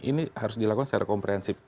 ini harus dilakukan secara komprehensif